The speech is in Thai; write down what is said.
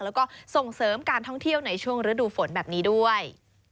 แล้วก็ส่งเสริมการท่องเที่ยวในช่วงฤดูฝนแบบนี้ด้วย